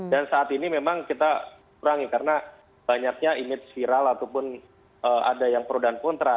dan saat ini memang kita kurangi karena banyaknya image viral ataupun ada yang pro dan kontra